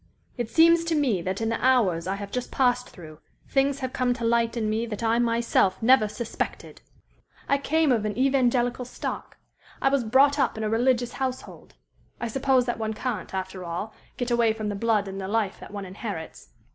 It seems to me that in the hours I have just passed through things have come to light in me that I myself never suspected. I came of an Evangelical stock I was brought up in a religious household. I suppose that one can't, after all, get away from the blood and the life that one inherits.